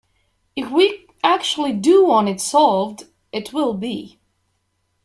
If we actually do want it solved, it will be.